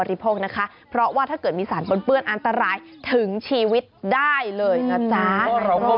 ตามความเชื่อของแต่ละคนกันไป